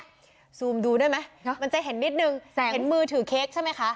ซูมดูได้ไหมมันจะเห็นนิดนึงเห็นมือถือเค้กใช่ไหมคะ